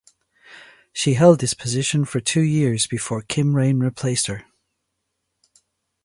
She held this position for two years before Kim Raine replaced her.